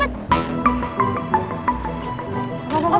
pak pak pak pak